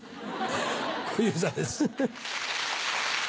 小遊三です。